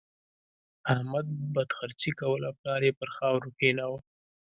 احمد بدخرڅي کوله؛ پلار يې پر خاورو کېناوو.